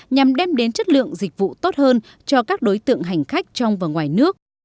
nhằm đem đến chất lượng dịch vụ tốt hơn cho các đối tượng hành khách trong và ngoài nước